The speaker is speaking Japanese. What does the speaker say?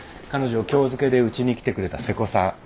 彼女今日付でうちに来てくれた瀬古さん。